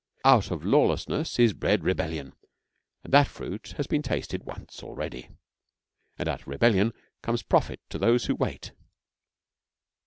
Out of lawlessness is bred rebellion (and that fruit has been tasted once already), and out of rebellion comes profit to those who wait.